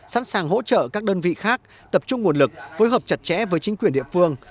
sẵn sàng hỗ trợ các đơn vị khác tập trung nguồn lực phối hợp chặt chẽ với chính quyền địa phương